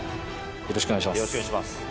よろしくお願いします。